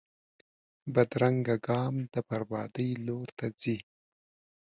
بدرنګه ګام د بربادۍ لور ته ځي